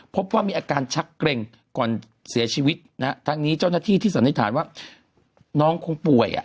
พบว่ามีอาการชักเกร็งก่อนเสียชีวิตนะฮะทั้งนี้เจ้าหน้าที่ที่สันนิษฐานว่าน้องคงป่วยอ่ะ